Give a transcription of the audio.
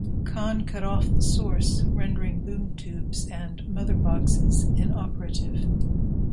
Khan cut off the Source, rendering Boom Tubes and Mother Boxes inoperative.